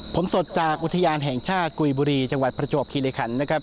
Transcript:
ผมสดจากอุทยานแห่งชาติกุยบุรีจังหวัดประจวบคิริขันนะครับ